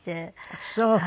あっそう。